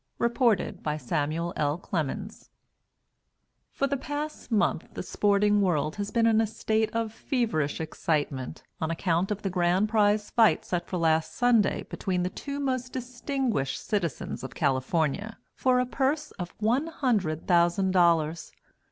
_ REPORTED BY SAMUEL L. CLEMENS For the past month the sporting world has been in a state of feverish excitement on account of the grand prize fight set for last Sunday between the two most distinguished citizens of California, for a purse of one hundred thousand dollars.